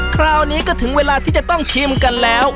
คราวนี้ก็ถึงเวลาที่จะต้องชิมกันแล้ว